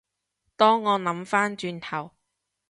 當我諗返轉頭